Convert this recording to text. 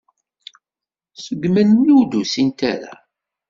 Seg melmi ur d-usint ara?